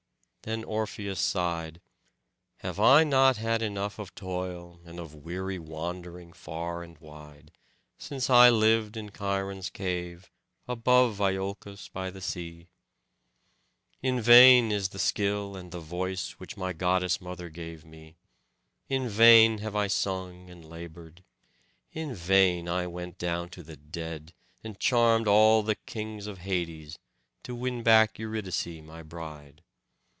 Then Orpheus sighed: "Have I not had enough of toil and of weary wandering far and wide, since I lived in Cheiron's cave, above Iolcos by the sea? In vain is the skill and the voice which my goddess mother gave me; in vain have I sung and laboured; in vain I went down to the dead, and charmed all the kings of Hades, to win back Eurydice my bride.